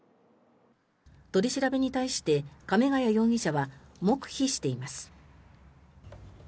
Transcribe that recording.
取り調べに対して亀ケ谷容疑者は黙秘しています。